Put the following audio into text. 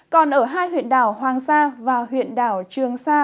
còn ở hai huyện đảo hoàng sa và huyện đảo trường sa